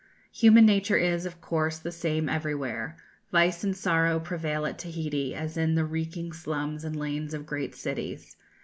Human nature is, of course, the same everywhere: vice and sorrow prevail at Tahiti as in the reeking slums and lanes of great cities.